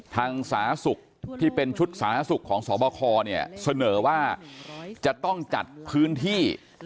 สาธารณสุขที่เป็นชุดสาธารณสุขของสบคเนี่ยเสนอว่าจะต้องจัดพื้นที่